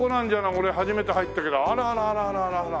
俺初めて入ったけどあらあらあらあらあらあら。